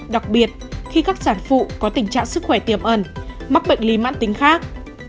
đặc biệt khi các sản phụ có tình trạng sức khỏe tiềm ẩn mắc bệnh lý mãn tính khác